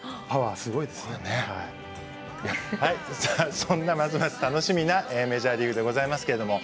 はいそんなますます楽しみなメジャーリーグでございますけれども。